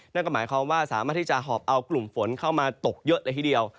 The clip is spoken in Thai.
นั่นก็หมายความว่าสามารถที่จะหอบเอากลุ่มฝนเข้ามาตกเยอะเลยทีเดียว